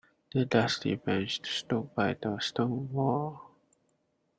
The dusty bench stood by the stone wall.